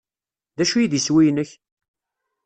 D acu i d iswi-inek?